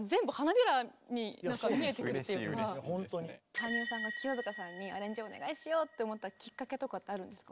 羽生さんが清塚さんにアレンジお願いしようと思ったきっかけとかってあるんですか？